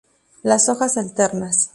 Las hojas alternas.